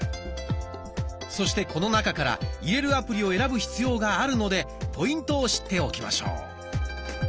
そしてこの中から入れるアプリを選ぶ必要があるのでポイントを知っておきましょう。